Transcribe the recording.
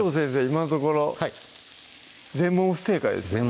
今のところ全問不正解ですね